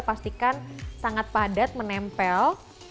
pastikan sangat padat menempel